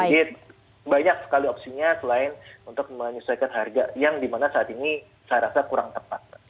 jadi banyak sekali opsinya selain untuk menyesuaikan harga yang dimana saat ini saya rasa kurang tepat